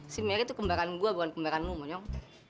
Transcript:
si mary tuh kembaran gue bukan kembaran lo monyong